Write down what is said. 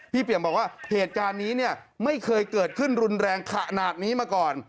เปี่ยมบอกว่าเหตุการณ์นี้เนี่ยไม่เคยเกิดขึ้นรุนแรงขนาดนี้มาก่อน